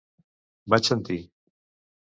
Vaig sentir.